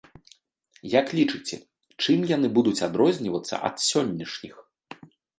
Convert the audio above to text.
Як лічыце, чым яны будуць адрознівацца ад сённяшніх?